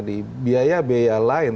di biaya biaya lain